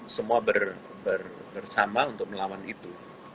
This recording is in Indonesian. semua bersama untuk melawan itu